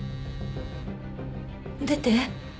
出て。